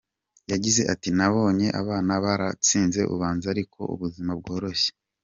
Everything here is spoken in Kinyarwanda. Yagize ati “Nabonye abana baratsinze ubanza ari uko ubuzima bworoshye.